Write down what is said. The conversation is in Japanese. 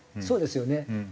そうですよね。